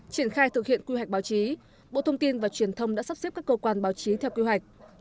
triển khai thực hiện quy hoạch báo chí bộ thông tin và truyền thông đã sắp xếp các cơ quan báo chí theo quy hoạch